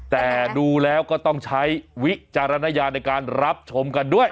แต่ดูแล้วก็ต้องใช้วิจารณญาณในการรับชมกันด้วย